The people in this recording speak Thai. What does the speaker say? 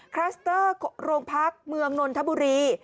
คลัสเตอร์โรงพักเมืองนนทบุรี